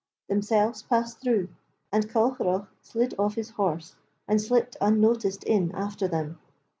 Themselves passed through, and Colcheragh slid off his horse and slipped unnoticed in after them.